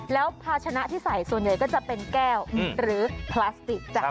แล้วภาชนะที่ใส่ส่วนใหญ่ก็จะเป็นแก้วหรือพลาสติกจ้ะ